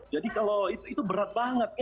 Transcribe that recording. jadi kalau itu berat banget